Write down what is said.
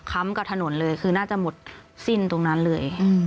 กับถนนเลยคือน่าจะหมดสิ้นตรงนั้นเลย